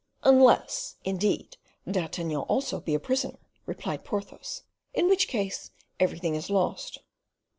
"Unless, indeed, D'Artagnan also be a prisoner," replied Porthos, "in which case everything is lost."